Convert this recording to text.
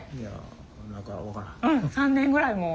３年ぐらい。